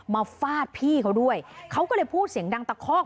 ฟาดพี่เขาด้วยเขาก็เลยพูดเสียงดังตะคอก